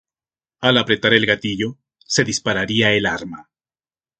Al apretar el gatillo se dispararía el arma.